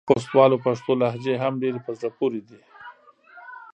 د خوستوالو پښتو لهجې هم ډېرې په زړه پورې دي.